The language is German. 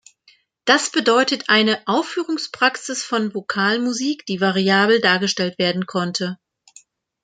Das bedeutet eine Aufführungspraxis von Vokalmusik, die variabel dargestellt werden konnte.